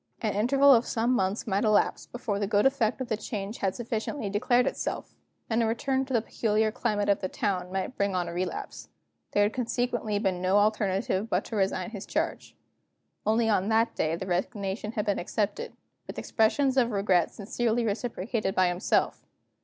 An interval of some months might elapse before the good effect of the change had sufficiently declared itself; and a return to the peculiar climate of the town might bring on a relapse. There had consequently been no alternative to but resign his charge. Only on that day the resignation had been accepted with expressions of regret sincerely reciprocated by himself.